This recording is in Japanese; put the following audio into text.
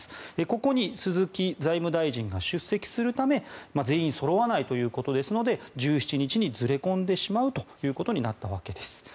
ここに鈴木財務大臣が出席するため全員そろわないということですので１７日にずれ込んでしまうことになったわけです。